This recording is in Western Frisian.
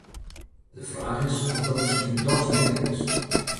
De fraach is oft dat miskien dochs nedich is.